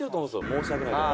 申し訳ないけど。